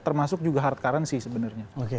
termasuk juga hard currency sebenarnya